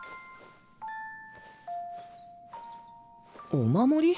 お守り？